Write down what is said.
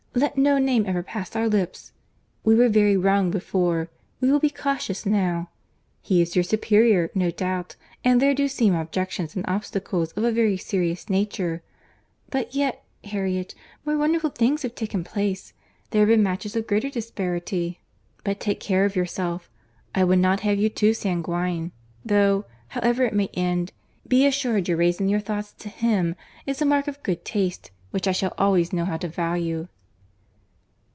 Let no name ever pass our lips. We were very wrong before; we will be cautious now.—He is your superior, no doubt, and there do seem objections and obstacles of a very serious nature; but yet, Harriet, more wonderful things have taken place, there have been matches of greater disparity. But take care of yourself. I would not have you too sanguine; though, however it may end, be assured your raising your thoughts to him, is a mark of good taste which I shall always know how to value."